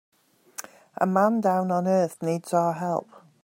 A man down on earth needs our help.